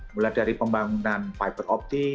mulai dari pembangunan fiber optic